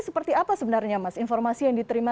seperti apa sebenarnya mas informasi yang diterima